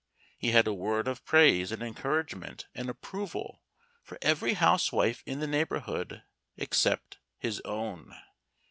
He had a word of praise and encouragement and approval for every housewife in the neighborhood except his own.